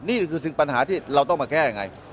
นี่คือสิ่งปัญหาที่เราต้องมาแก้ยังไง